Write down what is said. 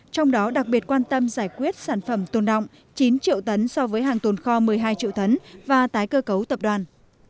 trong đó đặc biệt quan tâm giải quyết sản phẩm tồn động chín triệu tấn so với hàng tồn kho một mươi hai triệu tấn và tái cơ cấu tập đoàn